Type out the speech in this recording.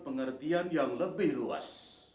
pengertian yang lebih luas